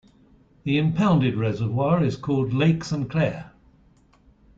The impounded reservoir is called Lake Saint Clair.